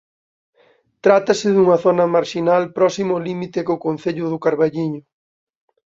Trátase dunha zona marxinal próxima ao límite co concello do Carballiño.